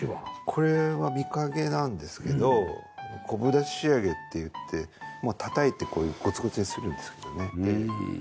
これは御影なんですけどコブ出し仕上げっていってたたいてこういうゴツゴツにするんですけどね。